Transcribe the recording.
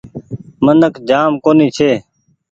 منک جآم ڪونيٚ ڇي۔